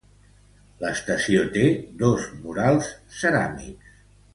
L'estació té dos murals ceràmics.